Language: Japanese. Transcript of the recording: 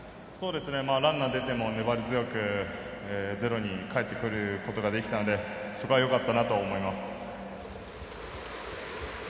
ランナー出ても粘り強くゼロにかえってくることができたのでそこはよかったなと思います。